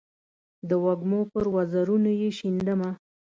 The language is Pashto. د وږمو پر وزرونو یې شیندمه